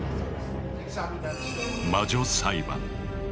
魔女裁判。